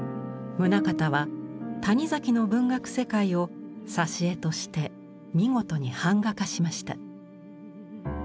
棟方は谷崎の文学世界を挿絵として見事に板画化しました。